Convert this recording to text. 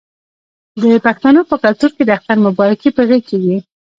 د پښتنو په کلتور کې د اختر مبارکي په غیږ کیږي.